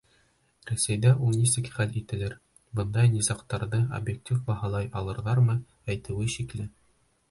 Рәсәйҙә ул нисек хәл ителер, бындай низағтарҙы объектив баһалай алырҙармы, әйтеүе шикле.